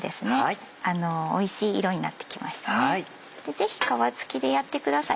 ぜひ皮付きでやってください